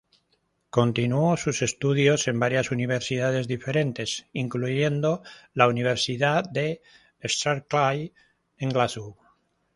Continuó sus estudios en varias universidades diferentes, incluyendo la Universidad de Strathclyde en Glasgow.